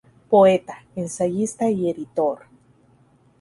Poeta, ensayista y editor.